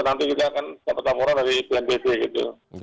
nanti juga akan dapat laporan dari bnpb gitu